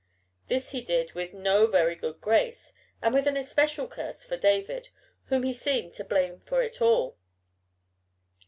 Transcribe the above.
This he did with no very good grace and with an especial curse for David, whom he seemed to blame for it all.